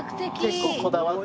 結構こだわって。